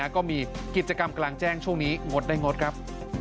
ก็มีกิจกรรมกลางแจ้งช่วงนี้งดได้งดครับ